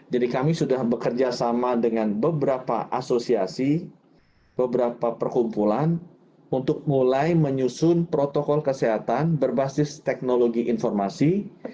jadi kami sudah bekerja sama dengan beberapa asosiasi beberapa perkumpulan untuk mulai menyusun protokol kesehatan berbasis teknologi informasi